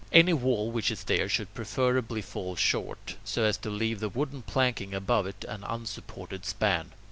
Any wall which is there should preferably fall short, so as to leave the wooden planking above it an unsupported span.